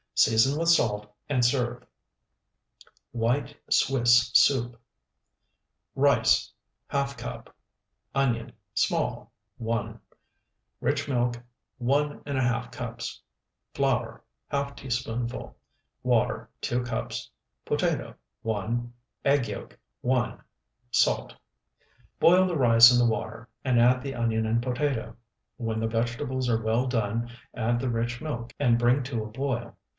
Season with salt, and serve. WHITE SWISS SOUP Rice, ½ cup. Onion, small, 1. Rich milk, 1½ cups. Flour, ½ teaspoonful. Water, 2 cups. Potato, 1. Egg yolk, 1. Salt. Boil the rice in the water, and add the onion and potato. When the vegetables are well done add the rich milk and bring to a boil.